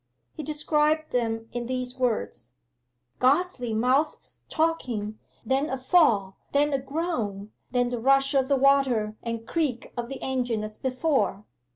He described them in these words, "Ghostly mouths talking then a fall then a groan then the rush of the water and creak of the engine as before."